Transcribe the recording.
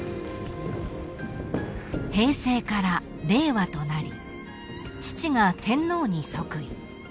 ［平成から令和となり父が天皇に即位］